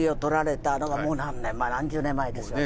何年前何十年前ですよね。